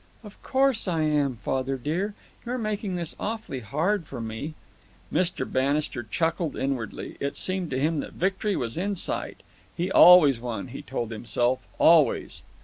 "Of course I am, father dear. You're making this awfully hard for me." Mr. Bannister chuckled inwardly. It seemed to him that victory was in sight. He always won, he told himself, always.